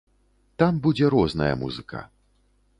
Там будзе розная музыка.